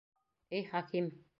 — Эй хаким!